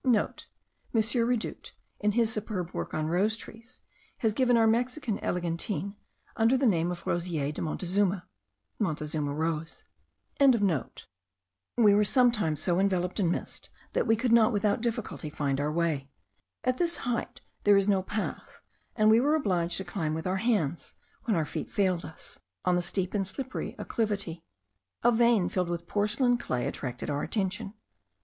*(* M. Redoute, in his superb work on rose trees, has given our Mexican eglantine, under the name of Rosier de Montezuma, Montezuma rose.) We were sometimes so enveloped in mist, that we could not, without difficulty, find our way. At this height there is no path, and we were obliged to climb with our hands, when our feet failed us, on the steep and slippery acclivity. A vein filled with porcelain clay attracted our attention.